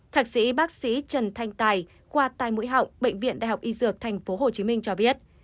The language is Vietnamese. thạc sĩ bác sĩ trần thanh tài khoa tai mũi họng bệnh viện đại học y dược tp hcm cho biết